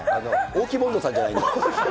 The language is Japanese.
大木ボンドさんじゃないんだ